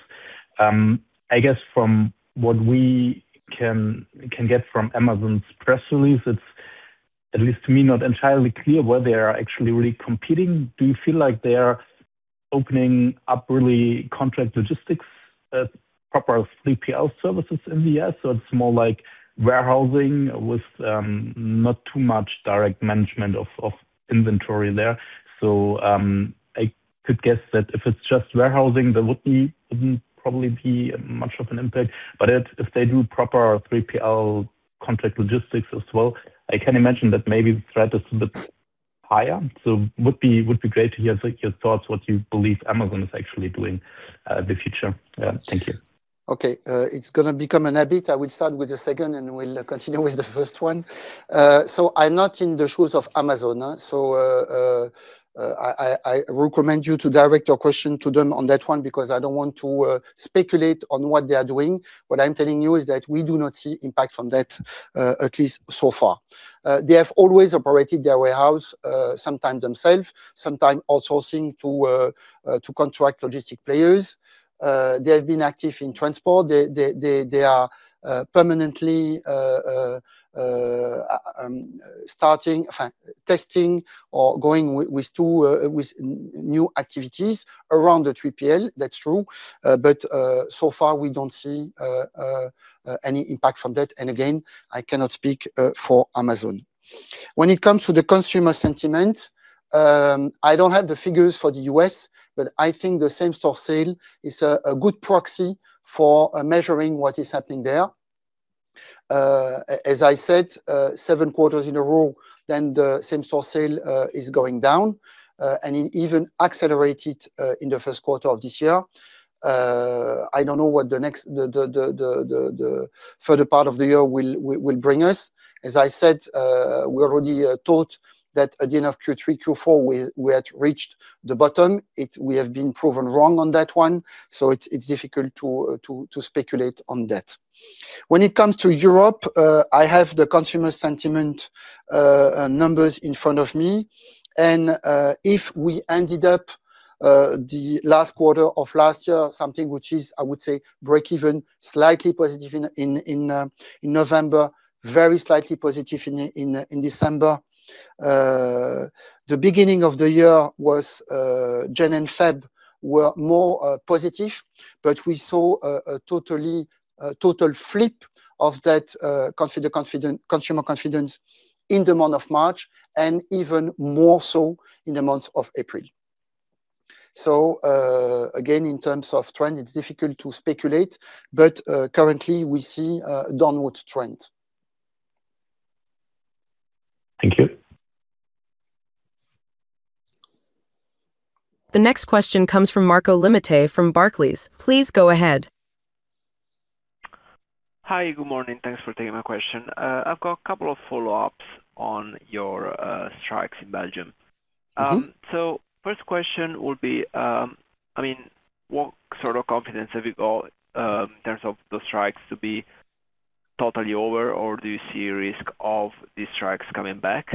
Speaker 6: I guess from what we can get from Amazon's press release, it's at least to me, not entirely clear where they are actually really competing. Do you feel like they are opening up really contract logistics as proper 3PL services in the U.S.? It's more like warehousing with not too much direct management of inventory there. I could guess that if it's just warehousing, there wouldn't probably be much of an impact. If they do proper 3PL contract logistics as well, I can imagine that maybe the threat is a bit higher. Would be great to hear, like, your thoughts what you believe Amazon is actually doing, the future. Thank you.
Speaker 2: Okay. It's going to become a habit. I will start with the second, we will continue with the first one. I am not in the shoes of Amazon. I recommend you to direct your question to them on that one, because I do not want to speculate on what they are doing. What I am telling you is that we do not see impact from that, at least so far. They have always operated their warehouse, sometimes themselves, sometimes outsourcing to contract logistic players. They have been active in transport. They are permanently starting testing or going with new activities around the 3PL, that is true. So far, we do not see any impact from that. Again, I cannot speak for Amazon. When it comes to the consumer sentiment, I don't have the figures for the U.S., I think the same-store sales is a good proxy for measuring what is happening there. As I said, seven quarters in a row, the same-store sales is going down, it even accelerated in the first quarter of this year. I don't know what the further part of the year will bring us. As I said, we already thought that at the end of Q3, Q4, we had reached the bottom. We have been proven wrong on that one, so it's difficult to speculate on that. When it comes to Europe, I have the consumer sentiment numbers in front of me. If we ended up the last quarter of last year, something which is, I would say, break even, slightly positive in November, very slightly positive in December. The beginning of the year was Jan and Feb were more positive, but we saw a total flip of that consumer confidence in the month of March, and even more so in the month of April. Again, in terms of trend, it's difficult to speculate, but currently, we see a downward trend.
Speaker 6: Thank you.
Speaker 1: The next question comes from Marco Limite from Barclays. Please go ahead.
Speaker 7: Hi, good morning. Thanks for taking my question. I've got a couple of follow-ups on your strikes in Belgium. First question would be, what sort of confidence have you got in terms of the strikes to be totally over? Or do you see a risk of these strikes coming back?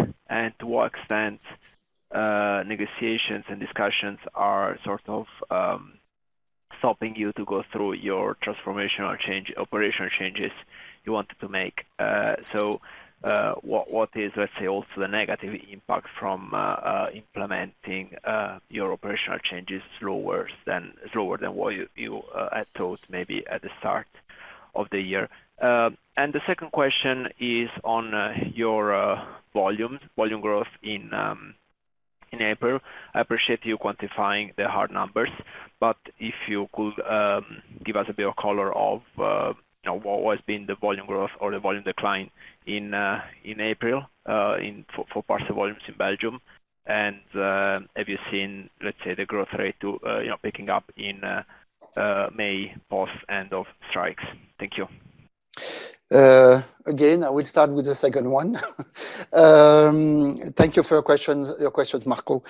Speaker 7: To what extent negotiations and discussions are stopping you to go through your transformational change, operational changes you wanted to make? What is, let's say, also the negative impact from implementing your operational changes slower than what you had thought maybe at the start of the year? The second question is on your volumes, volume growth in April. I appreciate you quantifying the hard numbers. If you could give us a bit of color of, you know, what has been the volume growth or the volume decline in April for parcel volumes in Belgium. Have you seen, let's say, the growth rate to, you know, picking up in May post end of strikes? Thank you.
Speaker 2: Again, I will start with the second one. Thank you for your questions, Marco.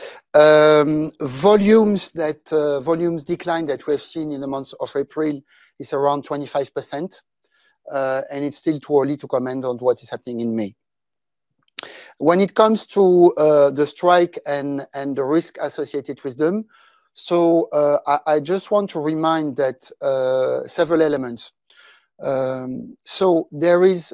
Speaker 2: Volumes decline that we have seen in the months of April is around 25%. It's still too early to comment on what is happening in May. When it comes to the strike and the risk associated with them, I just want to remind that several elements. There is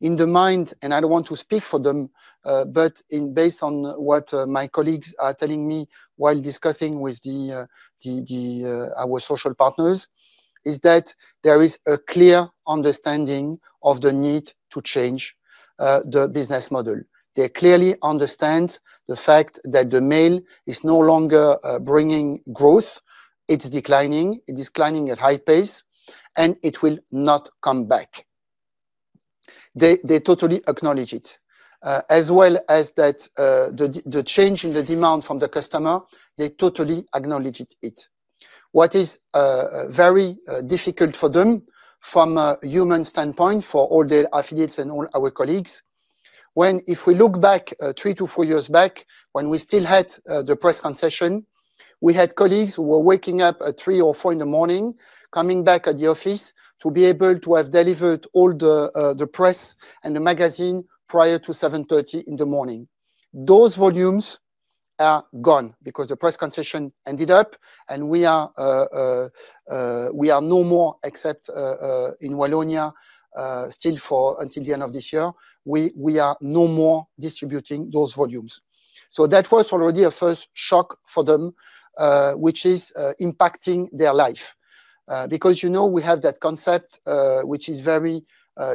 Speaker 2: in the mind, I don't want to speak for them, but based on what my colleagues are telling me while discussing with our social partners is that there is a clear understanding of the need to change the business model. They clearly understand the fact that the mail is no longer bringing growth. It's declining. It is declining at high pace, and it will not come back. They totally acknowledge it. As well as that, the change in the demand from the customer, they totally acknowledged it. What is very difficult for them from a human standpoint for all their affiliates and all our colleagues, when if we look back three to four years back, when we still had the press concession, we had colleagues who were waking up at three or four in the morning, coming back at the office to be able to have delivered all the press and the magazine prior to 7:30 A.M. Those volumes are gone because the press concession ended up, and we are no more except in Wallonia still for until the end of this year. We are no more distributing those volumes. That was already a first shock for them, which is impacting their life. Because, you know, we have that concept, which is very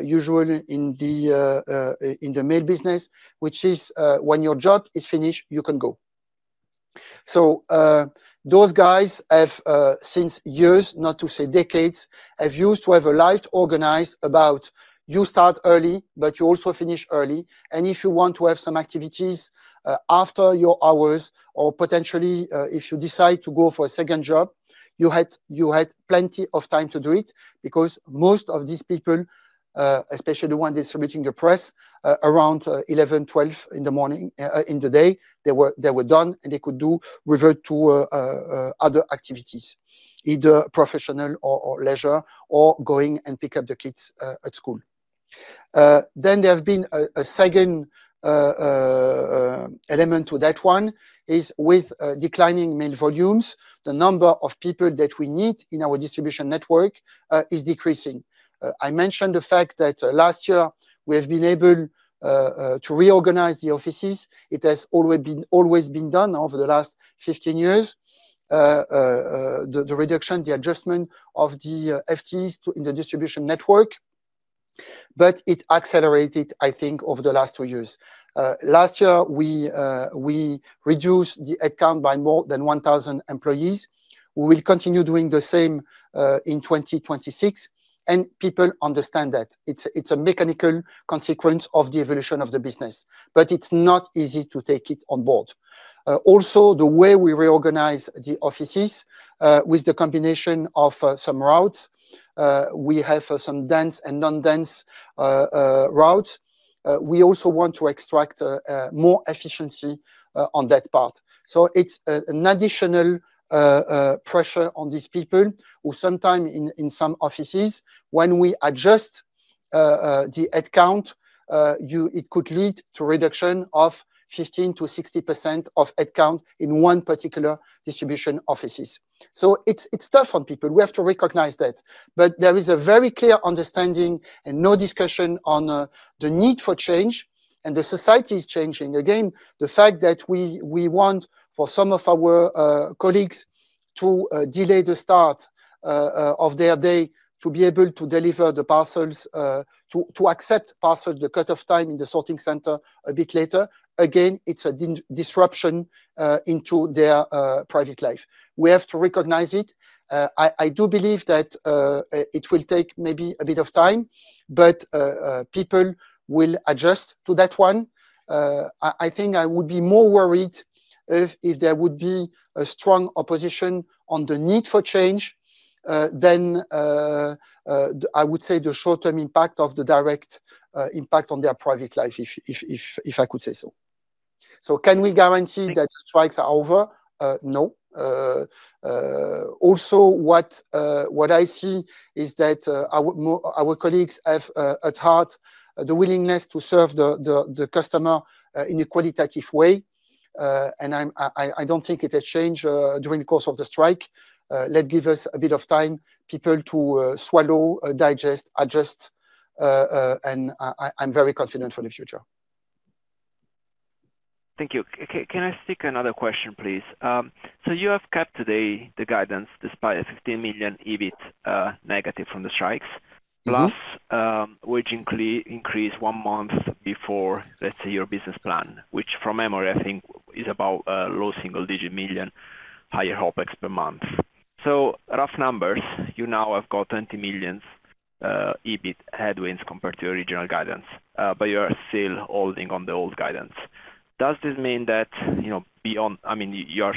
Speaker 2: usual in the mail business, which is when your job is finished, you can go. Those guys have since years, not to say decades, have used to have a life organized about you start early, but you also finish early. If you want to have some activities after your hours or potentially, if you decide to go for a second job, you had plenty of time to do it because most of these people, especially the one distributing the press around 11, 12 in the morning in the day, they were done, and they could do revert to other activities, either professional or leisure or going and pick up the kids at school. Then there have been a second element to that one, is with declining mail volumes, the number of people that we need in our distribution network is decreasing. I mentioned the fact that last year we have been able to reorganize the offices. It has always been done over the last 15 years. The reduction, the adjustment of the FTEs in the distribution network, but it accelerated, I think, over the last two years. Last year we reduced the headcount by more than 1,000 employees. We will continue doing the same in 2026, and people understand that. It's a mechanical consequence of the evolution of the business, but it's not easy to take it on board. Also the way we reorganize the offices, with the combination of some routes, we have some dense and non-dense routes. We also want to extract more efficiency on that part. It's an additional pressure on these people who sometime in some offices, when we adjust the headcount, it could lead to reduction of 15% to 60% of headcount in one particular distribution offices. It's tough on people. We have to recognize that. There is a very clear understanding and no discussion on the need for change, and the society is changing. The fact that we want for some of our colleagues to delay the start of their day to be able to deliver the parcels, to accept parcels, the cut-off time in the sorting center a bit later, it's a disruption into their private life. We have to recognize it. I do believe that it will take maybe a bit of time, but people will adjust to that one. I think I would be more worried if there would be a strong opposition on the need for change, then I would say the short-term impact of the direct impact on their private life, if, if I could say so. Can we guarantee that strikes are over? No. Also what I see is that our colleagues have at heart the willingness to serve the customer in a qualitative way. I'm, I don't think it has changed during the course of the strike. Let give us a bit of time, people to swallow, digest, adjust, and I'm very confident for the future.
Speaker 7: Thank you. Can I stick another question, please? You have kept today the guidance despite a 15 million EBIT negative from the strikes. Wage increase one month before, let's say, your business plan, which from memory, I think is about low single-digit million, higher OpEx per month. Rough numbers, you now have got 20 million EBIT headwinds compared to your original guidance, but you are still holding on the old guidance. Does this mean that, you know, beyond I mean, you're,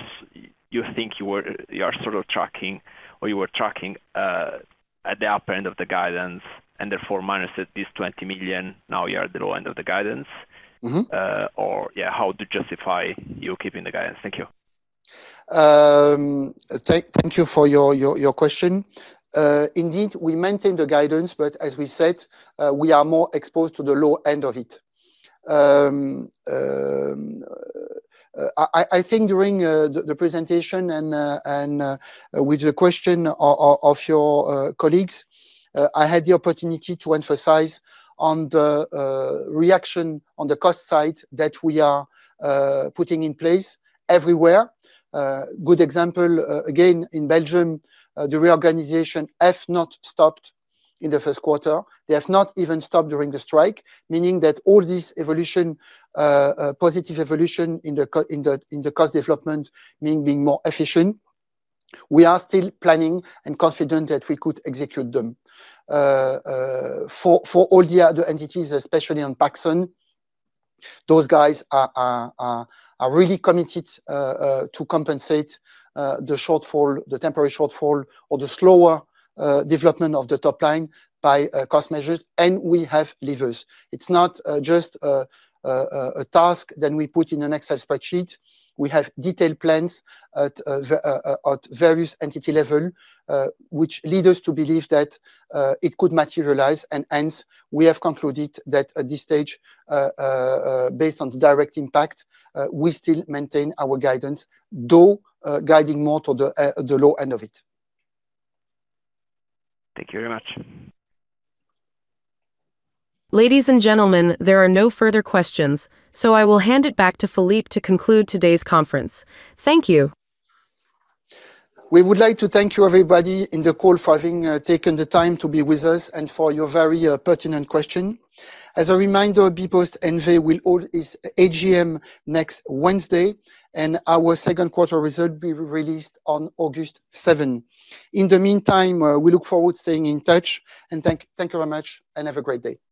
Speaker 7: you think you were, you're sort of tracking or you were tracking at the upper end of the guidance and therefore minus at this 20 million, now you're at the low end of the guidance? Yeah, how to justify you keeping the guidance? Thank you.
Speaker 2: Thank you for your question. Indeed, we maintain the guidance, but as we said, we are more exposed to the low end of it. I think during the presentation and with the question of your colleagues, I had the opportunity to emphasize on the reaction on the cost side that we are putting in place everywhere. Good example, again, in Belgium, the reorganization has not stopped in the first quarter. They have not even stopped during the strike, meaning that all this evolution, positive evolution in the cost development mean being more efficient. We are still planning and confident that we could execute them. For all the other entities, especially on Paxon, those guys are really committed to compensate the shortfall, the temporary shortfall or the slower development of the top line by cost measures. We have levers. It's not just a task than we put in an Excel spreadsheet. We have detailed plans at various entity level, which lead us to believe that it could materialize. Hence, we have concluded that at this stage, based on the direct impact, we still maintain our guidance, though guiding more to the low end of it.
Speaker 7: Thank you very much.
Speaker 1: Ladies and gentlemen, there are no further questions, so I will hand it back to Philippe to conclude today's conference. Thank you.
Speaker 2: We would like to thank you everybody in the call for having taken the time to be with us and for your very pertinent question. As a reminder, bpost NV will hold its AGM next Wednesday, and our second quarter result will be released on August seventh. In the meantime, we look forward to staying in touch and thank you very much and have a great day.